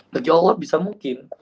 bagi allah bisa mungkin